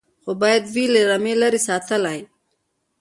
خو باید وي له رمې لیري ساتلی